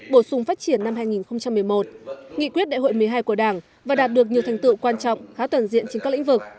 bổ sung phát triển năm hai nghìn một mươi một nghị quyết đại hội một mươi hai của đảng và đạt được nhiều thành tựu quan trọng khá toàn diện trên các lĩnh vực